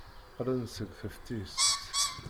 Qqlen-d seg teftist.